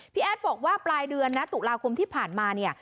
แอดบอกว่าปลายเดือนนะตุลาคมที่ผ่านมาเนี่ย